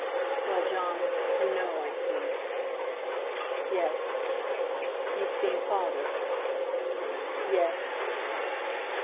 "Well, Jon, you know, I see." "Yes." "You've seen Father?" "Yes."